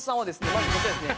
まずこちらですね。